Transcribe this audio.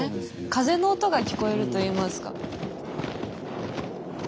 風の音が聞こえるといいますか。